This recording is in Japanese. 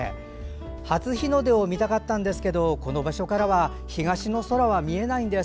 初日の出を見たかったんですけどこの場所からは東の空は見えないんです。